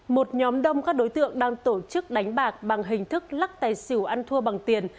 một nhóm đông các đối tượng đang tổ chức đánh bạc bằng hình thức lắc tài xỉu ăn thua bằng tiền